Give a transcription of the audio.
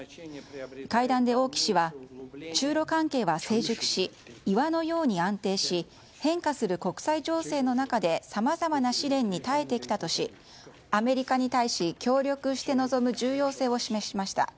会談で王毅氏は中ロ関係は成熟し岩のように安定し変化する国際情勢の中でさまざまな試練に耐えてきたとしアメリカに対し、協力して臨む重要性を示しました。